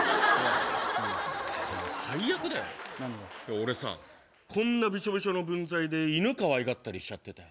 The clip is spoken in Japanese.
俺さ、こんなびしょびしょの分際で犬かわいがったりしちゃってたよ。